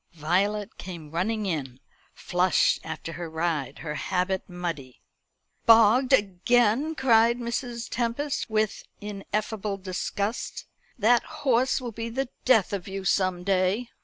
Violet came running in, flushed after her ride, her habit muddy. "Bogged again!" cried Mrs. Tempest, with ineffable disgust. "That horse will be the death of you some day."